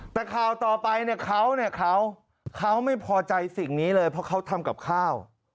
แต่ข่าวต่อไปเขาไม่พอใจสิ่งนี้เลยเพราะเขาทำกับข้าว